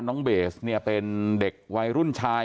น้องเบสเนี่ยเป็นเด็กวัยรุ่นชาย